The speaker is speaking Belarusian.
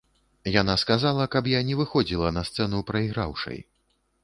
Яна сказала, каб я не выходзіла на сцэну прайграўшай.